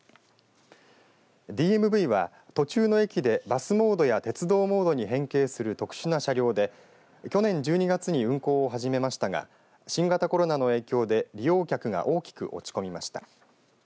ＤＭＶは途中の駅でバスモードや鉄道モードに変形する特殊な車両で去年１２月に運行を始めましたが新型コロナの影響で利用客が大きく落ち込みました。